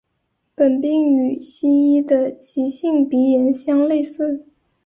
本病与西医的急性鼻炎相类似。